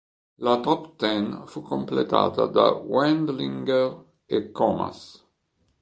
La top ten fu completata da Wendlinger e Comas.